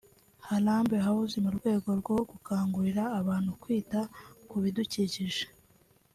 Harambe House mu rwego rwo gukangurira abantu kwita ku bidukikije